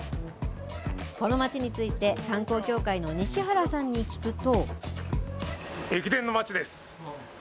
この町について、観光協会の西原さんに聞くと。